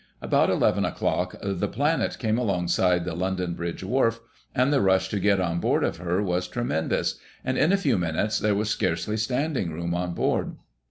About II o'clock, the Planet came alongside the London Bridge Wharf, and the rush to get on board of her was tre mendous, and, in a few minutes, there was scarcely standing room on board.